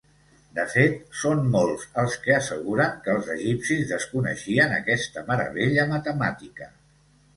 De fet, són molts els que asseguren que els egipcis desconeixien aquesta meravella matemàtica.